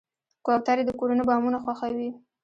کوترې د کورونو بامونه خوښوي.